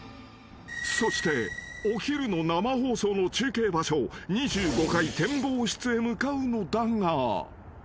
［そしてお昼の生放送の中継場所２５階展望室へ向かうのだが］